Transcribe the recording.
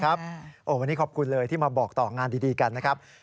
วันนี้ขอบคุณเลยที่มาบอกต่องานดีกันนะครับ